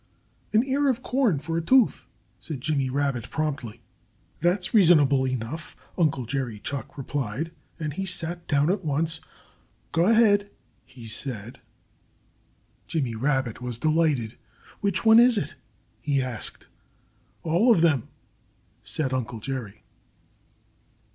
"An ear of corn for a tooth!" said Jimmy Rabbit promptly. "That's reasonable enough," Uncle Jerry Chuck replied. And he sat down at once. "Go ahead!" he said. Jimmy Rabbit was delighted. "Which one is it?" he asked. "All of them!" said Uncle Jerry.